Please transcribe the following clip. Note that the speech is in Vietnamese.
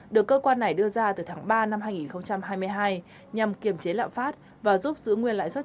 được cơ quan này đưa ra từ tháng ba năm hai nghìn hai mươi hai nhằm kiềm chế lạm phát và giúp giữ nguyên lãi suất